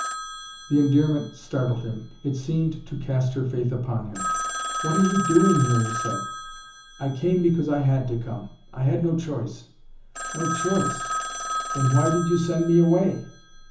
The endearment startled him. It seemed to cast her faith upon him. "What are you doing here?" he said. "I came because I had to come! I had no choice !" "No choice! Then why did you send me away?"